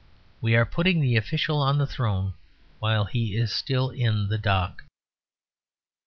We are putting the official on the throne while he is still in the dock.